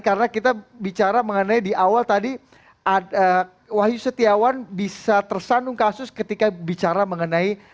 karena kita bicara mengenai di awal tadi wahyu setiawan bisa tersandung kasus ketika bicara mengenai